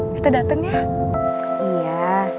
kita dateng ya